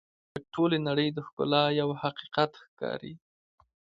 • شنې سترګې د ټولې نړۍ د ښکلا یوه حقیقت ښکاري.